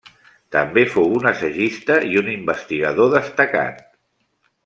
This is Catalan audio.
També fou un assagista i un investigador destacat.